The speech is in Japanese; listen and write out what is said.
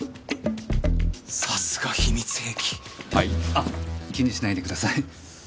あっ気にしないでください。